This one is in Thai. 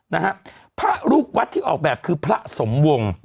นะฮะพระลูกวัดที่ออกแบบคือพระสมวง